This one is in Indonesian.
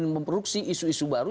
memproduksi isu isu baru